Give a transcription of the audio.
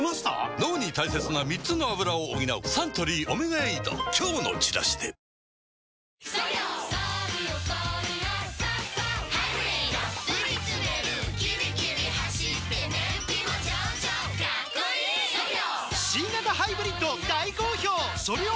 脳に大切な３つのアブラを補うサントリー「オメガエイド」今日のチラシで「和紅茶」が無糖なのは、理由があるんよ。